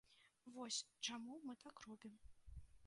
Вось чаму мы так робім.